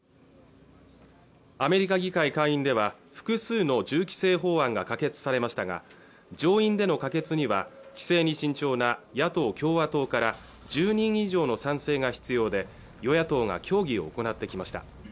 アメリカ議会下院では複数の銃規制法案が可決されましたが上院での可決には規制に慎重な野党共和党から１０人以上の賛成が必要で与野党が協議を行ってきました